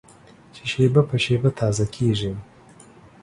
چې شېبه په شېبه تازه کېږي.